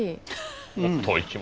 うん。